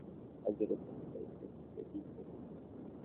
যারা নিয়ে গেছে, তাদের মধ্যে একজনের পোশাকের পেছনে ডিবি লেখা ছিল।